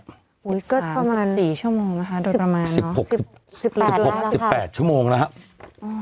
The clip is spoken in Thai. อุ้ยก็ประมาณสี่ชั่วโมงนะคะโดยประมาณเนอะสิบหกสิบหกสิบแปดชั่วโมงแล้วฮะอืม